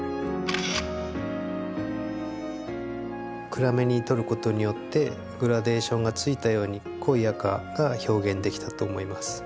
暗めに撮ることによってグラデーションがついたように濃い赤が表現できたと思います。